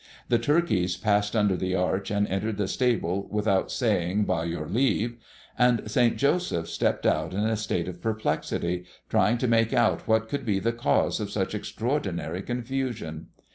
The turkeys passed under the arch and entered the stable without saying by your leave; and Saint Joseph stepped out in a state of perplexity, trying to make out what could be the cause of such extraordinary confusion.